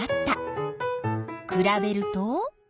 くらべると？